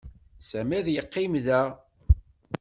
Sami ad yeqqim da.